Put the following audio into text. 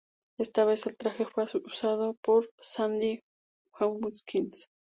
Esta vez, el traje fue usado por Sandy Hawkins.